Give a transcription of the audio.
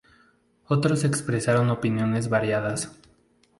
Otros expresaron opiniones variadas.